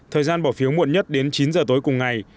thời gian bỏ phiếu muộn nhất đến chín giờ tối cùng ngày